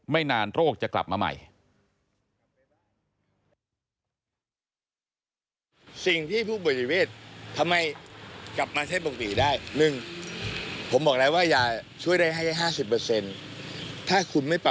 นานโรคจะกลับมาใหม่